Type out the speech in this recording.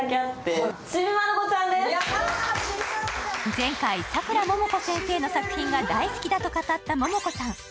前回、さくらももこ先生の作品が大好きだと語ったモモコさん。